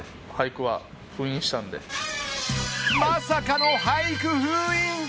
まさかの俳句封印。